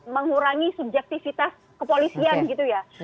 mengurangi subjektivitas kepolisian gitu ya